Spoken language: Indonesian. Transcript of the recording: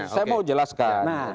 saya mau jelaskan